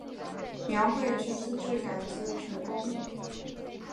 描绘裙子质感极为成功